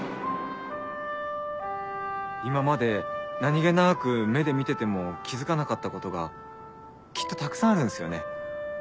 今まで何げなく目で見てても気付かなかったことがきっとたくさんあるんすよね。